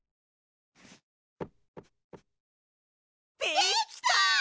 できた！